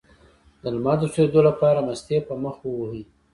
د لمر د سوځیدو لپاره مستې په مخ ووهئ